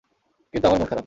কিন্তু আমার মন খারাপ।